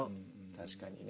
確かにね。